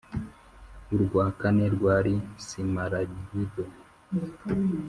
urwa kane rwari simaragido,